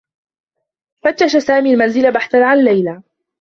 فتّش سامي المنزل بحثا عن ليلى.